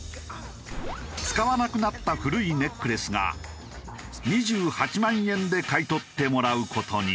使わなくなった古いネックレスが２８万円で買い取ってもらう事に。